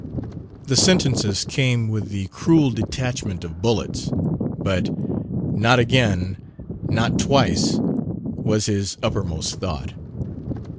The sentences came with the cruel detachment of bullets; but, "Not again, not twice," was his uppermost thought.